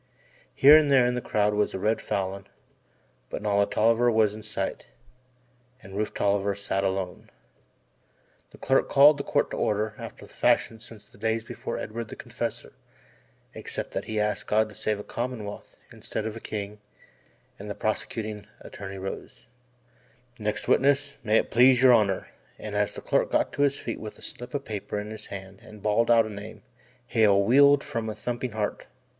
Here and there in the crowd was a red Falin, but not a Tolliver was in sight, and Rufe Tolliver sat alone. The clerk called the Court to order after the fashion since the days before Edward the Confessor except that he asked God to save a commonwealth instead of a king and the prosecuting attorney rose: "Next witness, may it please your Honour": and as the clerk got to his feet with a slip of paper in his hand and bawled out a name, Hale wheeled with a thumping heart.